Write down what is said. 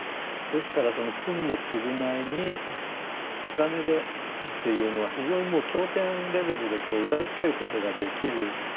ですからその罪の償いにお金でっていうのは非常にもう経典レベルでこう裏付けることができる。